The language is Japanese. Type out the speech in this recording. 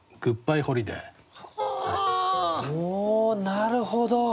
なるほど。